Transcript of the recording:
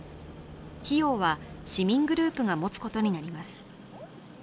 費用は市民グループが持つことになります。